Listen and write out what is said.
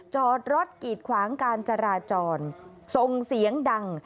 จอดรถกีดขวางการจราจรส่งเสียงดัง